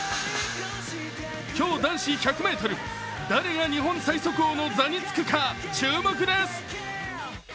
今日、男子１００ｍ、誰が日本最速王の座につくか、注目です。